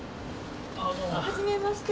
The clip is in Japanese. はじめまして。